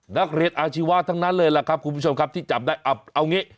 นักเรียนอาชีวะทั้งนั้นเลยล่ะครับคุณผู้ชมครับที่จับได้เอางี้